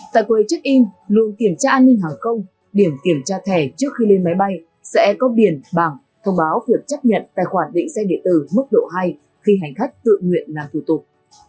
tại quầy check in luồng kiểm tra an ninh hàng không điểm kiểm tra thẻ trước khi lên máy bay sẽ có biển bảng thông báo việc chấp nhận tài khoản định xe điện tử mức độ hai khi hành khách tự nguyện làm thủ tục